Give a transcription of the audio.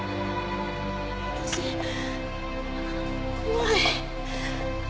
私怖い。